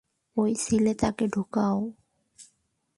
ওই সেলে তাকে ডুকাও।